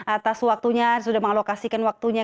atas waktunya sudah mengalokasikan waktunya